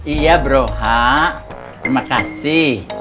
iya bro ha terima kasih